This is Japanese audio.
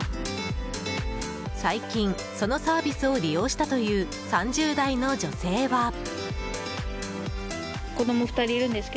最近そのサービスを利用したという３０代の女性は。